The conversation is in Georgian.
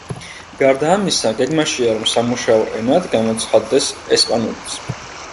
გარდა ამისა, გეგმაშია, რომ სამუშაო ენად გამოცხადდეს ესპანურიც.